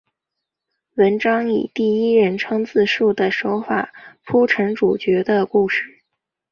文章以第一人称自叙的手法铺陈主角的故事。